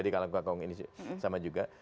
ya di kalikangkung ini sama juga